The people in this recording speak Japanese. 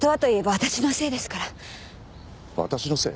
私のせい？